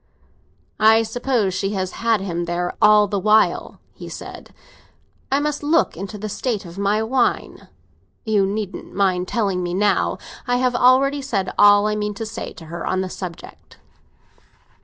"I suppose she has had him there all the while," he said. "I must look into the state of my wine! You needn't mind telling me now; I have already said all I mean to say to her on the subject."